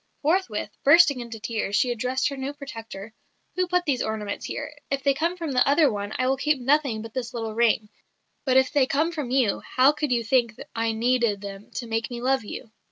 Forthwith, bursting into tears, she addressed her new protector: 'Who put these ornaments here? If they come from the other one, I will keep nothing but this little ring; but if they come from you, how could you think I needed them to make me love you?'"